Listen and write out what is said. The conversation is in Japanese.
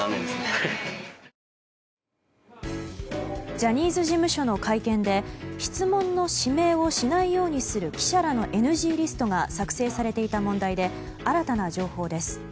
ジャニーズ事務所の会見で質問の指名をしないようにする記者らのＮＧリストが作成されていた問題で新たな情報です。